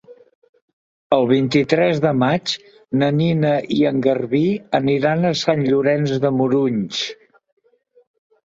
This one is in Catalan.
El vint-i-tres de maig na Nina i en Garbí aniran a Sant Llorenç de Morunys.